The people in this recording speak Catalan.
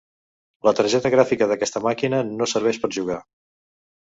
La targeta gràfica d'aquesta màquina no serveix per jugar.